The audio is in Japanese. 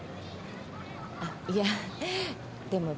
あっいやでも別に。